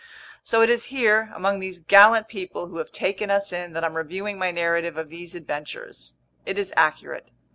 So it is here, among these gallant people who have taken us in, that I'm reviewing my narrative of these adventures. It is accurate.